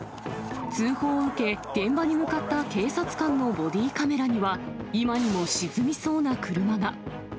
通報を受け、現場に向かった警察官のボディカメラには、今にも沈みそうな車が。